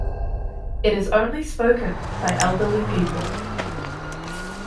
It is only spoken by elderly people.